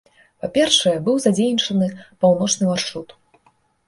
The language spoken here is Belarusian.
Па-першае, быў задзейнічаны паўночны маршрут.